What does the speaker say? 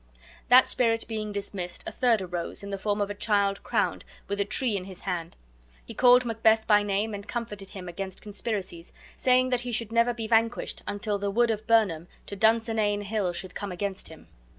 That spirit being dismissed, a third arose in the form of a child crowned, with a tree in his hand. He called Macbeth by name and comforted him against conspiracies, saying that he should never be vanquished until the wood of Birnam to Dunsinane hill should come against him.